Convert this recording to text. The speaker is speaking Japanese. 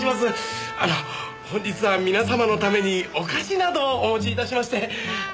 あの本日は皆様のためにお菓子などをお持ち致しまして。